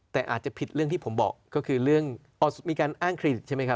แต่อาจจะผิดเรื่องที่ผมบอกก็คือเรื่องมีการอ้างเครดิตใช่ไหมครับ